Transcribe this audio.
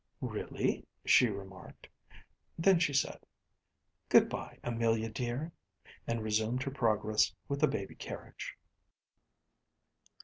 ‚ÄúReally?‚ÄĚ she remarked. Then she said, “Goodby, Amelia dear,‚ÄĚ and resumed her progress with the baby carriage.